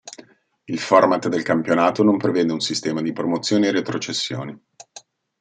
Il format del campionato non prevede un sistema di promozioni e retrocessioni.